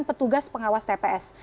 petugas pengawas tps